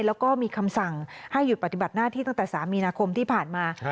แล้วก็มีคำสั่งให้หยุดปฏิบัติหน้าที่ตั้งแต่๓มีนาคมที่ผ่านมา